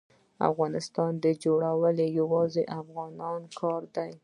د افغانستان جوړول یوازې د افغانانو کار دی.